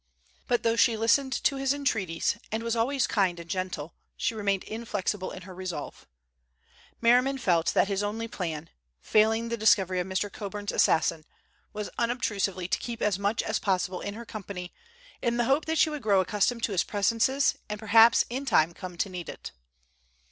But though she listened to his entreaties and was always kind and gentle, she remained inflexible in her resolve. Merriman felt that his only plan, failing the discovery of Mr. Coburn's assassin, was unobtrusively to keep as much as possible in her company, in the hope that she would grow accustomed to his presences and perhaps in time come to need it.